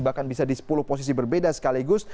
bahkan bisa di sepuluh posisi berbeda sekaligus